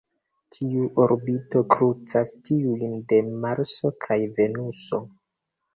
Tiu orbito krucas tiujn de Marso kaj Venuso.